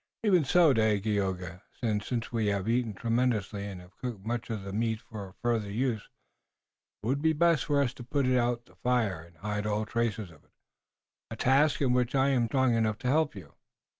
"Even so, Dagaeoga, and since we have eaten tremendously and have cooked much of the meat for further use, it would be best for us to put out the fire, and hide all trace of it, a task in which I am strong enough to help you."